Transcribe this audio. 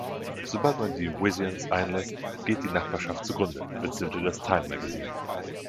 „Sobald man die Wisians einlässt, geht die Nachbarschaft zugrunde“, witzelte das „Time Magazine“.